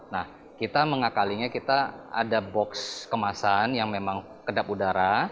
nah kita mengakalinya kita ada box kemasan yang memang kedap udara